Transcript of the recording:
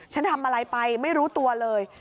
ฉันทำอะไรไปไม่รู้ตัวเลย